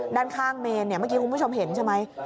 ด้านข้างเมนเมื่อกี้คุณผู้ชมเห็นใช่ไหม